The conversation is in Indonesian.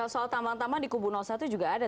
soal tambang taman di kubu satu juga ada